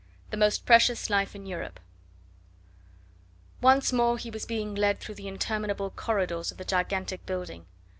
THE MOST PRECIOUS LIFE IN EUROPE Once more he was being led through the interminable corridors of the gigantic building.